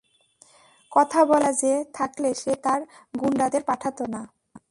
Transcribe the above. কথা বলার মেজাজে থাকলে সে তার গুন্ডাদের পাঠাত না।